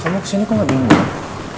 kamu kesini kok gak bingung